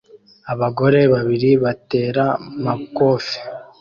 Abagore babiri bateramakofe